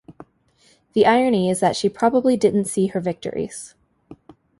The irony is that she probably didn't see her victories.